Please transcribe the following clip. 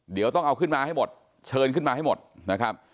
เดี๋ยวต้องเอาขึ้นมาให้หมดเชิญขึ้นมาให้หมดนะครับ